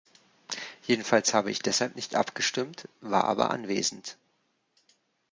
Jedenfalls habe ich deshalb nicht abgestimmt, war aber anwesend.